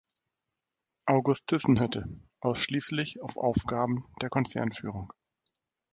August Thyssen-Hütte" ausschließlich auf Aufgaben der Konzernführung.